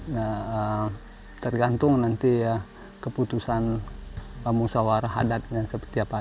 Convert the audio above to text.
nah tergantung nanti ya keputusan musawarah adatnya seperti apa